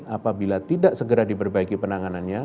apabila tidak segera diperbaiki penanganannya